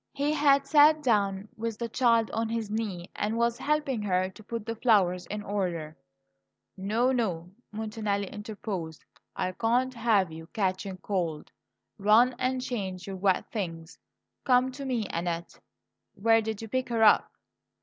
He had sat down with the child on his knee, and was helping her to put the flowers in order. "No, no!" Montanelli interposed. "I can't have you catching cold. Run and change your wet things. Come to me, Annette. Where did you pick her up?"